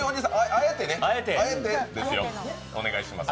あえてですよ、お願いします。